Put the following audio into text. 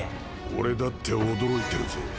俺だって驚いてるぜ。